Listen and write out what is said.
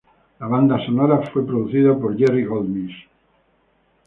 La banda sonora fue producida por Jerry Goldsmith.